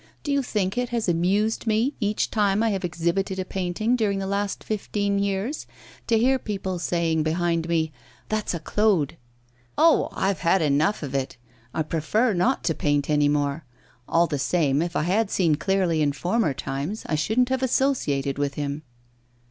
Do you think it has amused me, each time I have exhibited a painting during the last fifteen years, to hear people saying behind me, "That's a Claude!" Oh! I've had enough of it, I prefer not to paint any more. All the same, if I had seen clearly in former times, I shouldn't have associated with him.